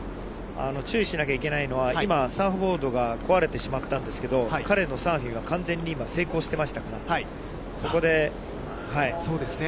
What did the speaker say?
注意しなきゃいけないのは、今、サーフボードが壊れてしまったんですけど、彼のサーフィンは完全に今、成功していましたから、ここで。